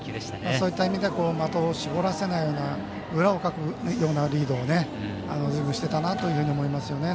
そういった意味では的を絞らせないような裏をかくようなリードをずいぶんしていたなと思いますよね。